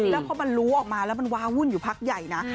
แล้วพอมันรู้ออกมาแล้วมันวาวุ่นอยู่พักใหญ่นะ